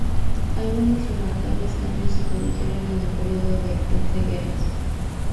Algunos remarcables cambios se produjeron en el periodo de Entreguerras.